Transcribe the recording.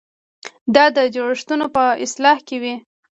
دا د جوړښتونو په اصلاح کې وي.